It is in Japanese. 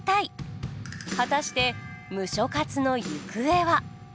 果たしてムショ活の行方は！？